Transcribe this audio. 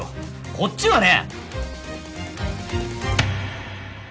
こっちはね！